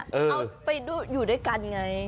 เอาไปอยู่ด้วยกันไง